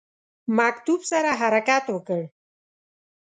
مکتوب سره حرکت وکړ.